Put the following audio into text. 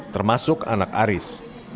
termasuk anak aris